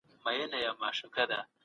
د سپکاوي مخنیوی د سولي لامل دی.